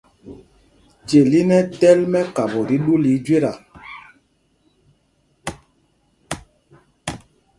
Celin ɛ́ ɛ́ tɛ́l mɛ́kapo tí ɗū lɛ íjüeta.